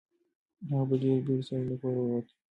هغه په ډېرې بیړې سره له کوره ووت.